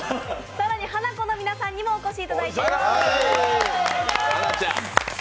更に、ハナコの皆さんにもお越しいただいております。